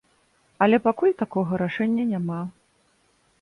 Але пакуль такога рашэння няма.